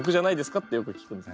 ってよく聞くんですよ。